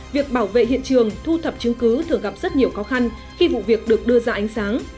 việc bảo vệ hiện trường thu thập chứng cứ thường gặp rất nhiều khó khăn khi vụ việc được đưa ra ánh sáng